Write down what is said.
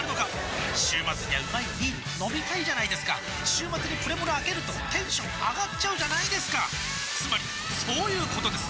週末にはうまいビール飲みたいじゃないですか週末にプレモルあけるとテンション上がっちゃうじゃないですかつまりそういうことです！